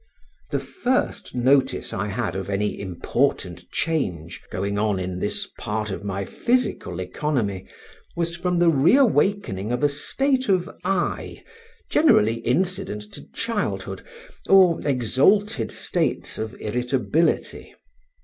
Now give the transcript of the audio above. The first notice I had of any important change going on in this part of my physical economy was from the reawakening of a state of eye generally incident to childhood, or exalted states of irritability.